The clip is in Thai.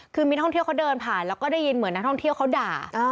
คือมีท่องเที่ยวเขาเดินผ่านแล้วก็ได้ยินเหมือนนักท่องเที่ยวเขาด่า